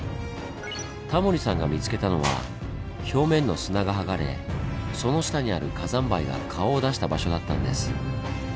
タモリさんが見つけたのは表面の砂が剥がれその下にある火山灰が顔を出した場所だったんです。